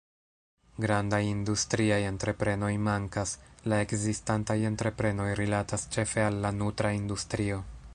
Grandaj industriaj entreprenoj mankas; la ekzistantaj entreprenoj rilatas ĉefe al la nutra industrio.